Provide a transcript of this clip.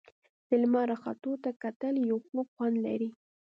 د لمر راختو ته کتل یو خوږ خوند لري.